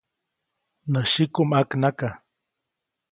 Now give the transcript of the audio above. Nä syiku ʼmaknaka.